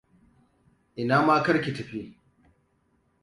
Ina ma kar ki tafi.